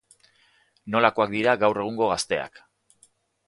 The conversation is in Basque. Nolakoak dira gaur egungo gazteak.